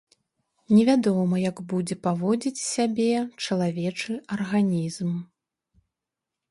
Невядома, як будзе паводзіць сябе чалавечы арганізм.